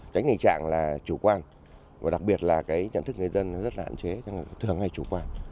tránh tình trạng là chủ quan và đặc biệt là cái nhận thức người dân rất là hạn chế thường hay chủ quan